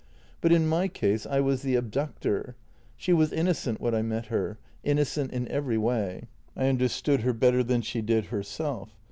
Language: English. But in my case I was the abductor. She was innocent when I met her — innocent in every way. I under stood her better than she did herself.